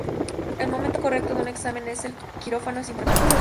El momento correcto de un examen en el quirófano es importante.